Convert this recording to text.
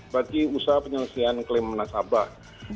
bagi usaha penyelesaian klaim nasabah